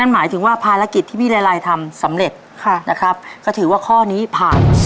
หมายถึงว่าภารกิจที่พี่เลไลทำสำเร็จนะครับก็ถือว่าข้อนี้ผ่าน